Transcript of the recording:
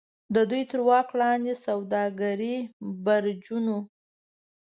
د دوی تر واک لاندې د سوداګرۍ برجونو.